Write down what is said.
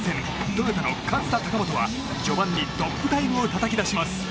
トヨタの勝田貴元は序盤にトップタイムをたたき出します。